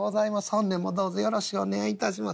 本年もどうぞよろしゅうお願い致します」。